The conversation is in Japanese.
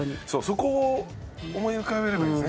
そこを思い浮かべればいいんですね